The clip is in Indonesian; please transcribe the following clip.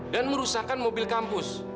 dan merusakkan mobil kampus